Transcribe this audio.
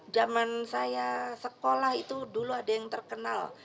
zaman saya sekolah itu dulu ada yang terkenal